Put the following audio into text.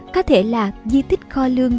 có thể là di tích kho lương